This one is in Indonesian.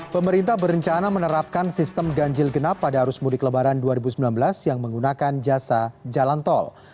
pemerintah berencana menerapkan sistem ganjil genap pada arus mudik lebaran dua ribu sembilan belas yang menggunakan jasa jalan tol